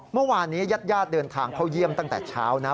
เมื่อวานนี้ญาติญาติเดินทางเข้าเยี่ยมตั้งแต่เช้านะ